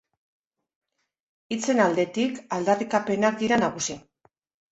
Hitzen aldetik, aldarrikapenak dira nagusi.